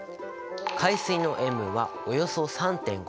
海水の塩分はおよそ３．５％。